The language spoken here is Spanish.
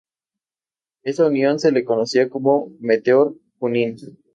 Esta unión se le conocía como Meteor-Junín.